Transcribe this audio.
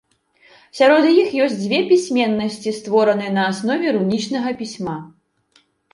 Сярод іх ёсць дзве пісьменнасці, створаныя на аснове рунічнага пісьма.